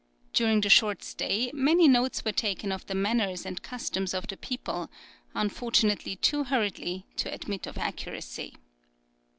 During the short stay many notes were taken of the manners and customs of the people, unfortunately too hurriedly to admit of accuracy.